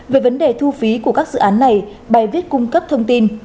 về vấn đề thu phí của các dự án này bài viết cung cấp thông tin